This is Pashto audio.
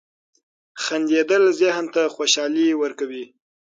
• خندېدل ذهن ته خوشحالي ورکوي.